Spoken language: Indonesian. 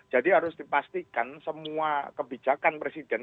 jadi harus dipastikan semua kebijakan presiden